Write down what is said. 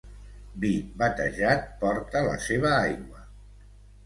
Vi batejat porta la seva aigua.